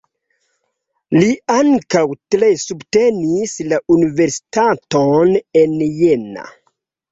Li ankaŭ tre subtenis la Universitaton en Jena.